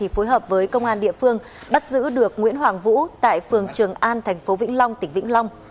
phối hợp với công an địa phương bắt giữ được nguyễn hoàng vũ tại phường trường an thành phố vĩnh long tỉnh vĩnh long